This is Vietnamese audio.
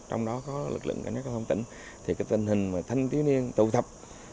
trong đó có lực lượng các nơi không tỉnh thì cái tình hình mà thanh tiếu niên tụ thập